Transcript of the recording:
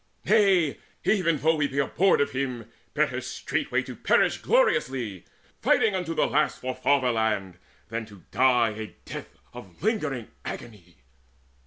Nay, even though we be abhorred of him, Better straightway to perish gloriously Fighting unto the last for fatherland, Than die a death of lingering agony!"